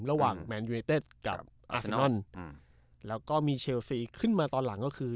ระหว่างแมนยูเนเตสกับอาซินอนอืมแล้วก็มีเชลซีขึ้นมาตอนหลังก็คือ